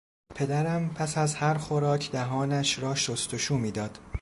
پدرم پس از هر خوراک دهانش را شستشو میداد.